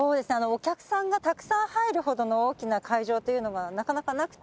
お客さんがたくさん入るほどの大きな会場というのがなかなかなくて。